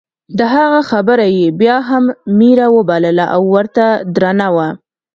د هغه خبره یې بیا هم میره وبلله او ورته درنه وه.